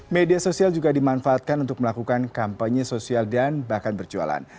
media sosial juga dimanfaatkan untuk melakukan kampanye sosial dan bahkan berjualan